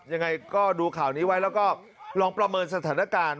ยังไงก็ดูข่าวนี้ไว้แล้วก็ลองประเมินสถานการณ์